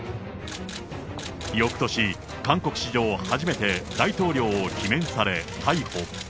よくとし、韓国史上初めて大統領を罷免され逮捕。